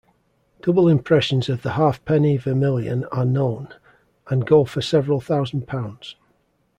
Double impressions of the halfpenny vermilion are known, and go for several thousand pounds.